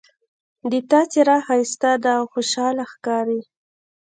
د تا څېره ښایسته ده او خوشحاله ښکاري